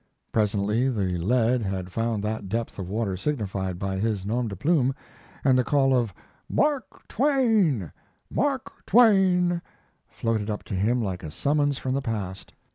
Presently the lead had found that depth of water signified by his nom de plume and the call of "Mark Twain, Mark Twain" floated up to him like a summons from the past.